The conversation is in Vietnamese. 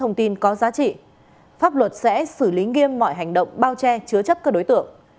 thông tin có giá trị pháp luật sẽ xử lý nghiêm mọi hành động bao che chứa chấp các đối tượng